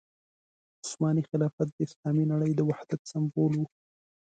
عثماني خلافت د اسلامي نړۍ د وحدت سمبول وو.